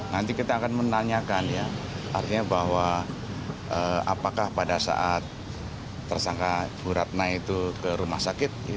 nanti kita akan menanyakan ya artinya bahwa apakah pada saat tersangka bu ratna itu ke rumah sakit